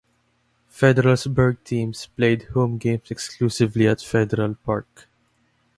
Federalsburg teams played home games exclusively at Federal Park.